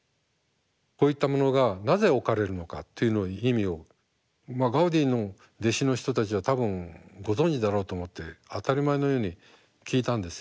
こういったものがなぜ置かれるのかという意味をまあガウディの弟子の人たちは多分ご存じだろうと思って当たり前のように聞いたんですよ。